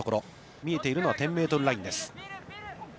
見えているのは１０ｍラインです。